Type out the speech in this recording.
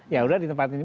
ya udah di tempat ini